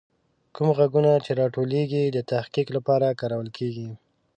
کوم غږونه چې راټولیږي، د تحقیق لپاره کارول کیږي.